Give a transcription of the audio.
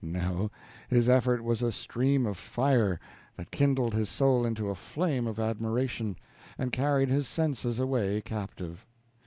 No, his effort was a stream of fire, that kindled his soul into a flame of admiration, and carried his senses away captive.